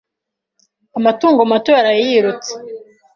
Amatungo mato yaraye yirutse.